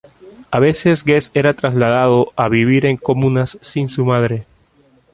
A veces Guest era trasladado a vivir en comunas sin su madre.